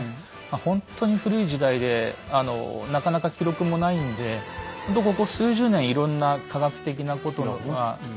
ほんとに古い時代でなかなか記録もないんでほんとここ数十年いろんな科学的なことが分かってきて。